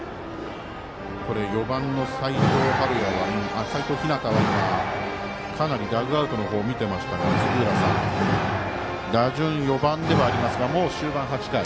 ４番の齋藤陽は今かなりダグアウトの方を見ていましたが打順４番ではありますがもう終盤８回。